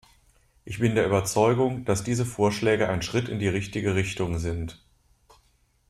Ich bin der Überzeugung, dass diese Vorschläge ein Schritt in die richtige Richtung sind.